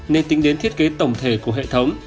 nên tính đến thiết kế tổng thể của hệ thống